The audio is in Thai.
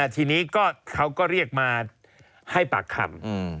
ทีนี้เขาก็เรียกมาให้ปากคำ